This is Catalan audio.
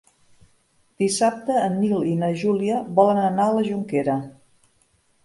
Dissabte en Nil i na Júlia volen anar a la Jonquera.